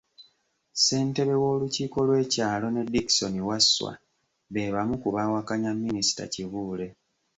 Ssentebe w'olukiiko lw'ekyalo ne Dickson Wasswa be bamu ku baawakanya Minisita Kibuule.